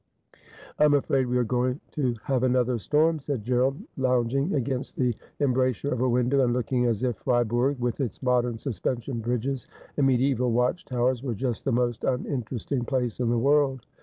' I'm afraid we are going to have another storm,' said Gerald, lounging against the embrasure of a window, and looking as if Fribourg, with its modern suspension bridges and mediaeval watch towers, were just the most uninteresting place in the world.